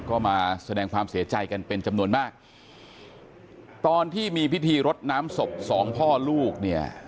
ก็มาแสดงความเสียใจกันเป็นจำนวนมากตอนที่มีพิธีรดน้ำศพสองพ่อลูกเนี่ย